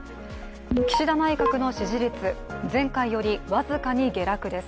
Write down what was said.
岸田内閣の支持率、前回より僅かに下落です。